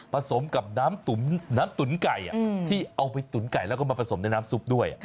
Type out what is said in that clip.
สมกับน้ำตุ๋นไก่ที่เอาไปตุ๋นไก่แล้วก็มาผสมในน้ำซุปด้วย